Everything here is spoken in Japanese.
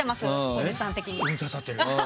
おじさん的に。